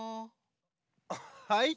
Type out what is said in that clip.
はい？